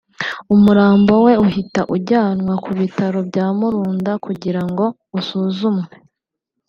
umurambo we uhita ujyanwa ku bitaro bya Murunda kugira ngo usuzumwe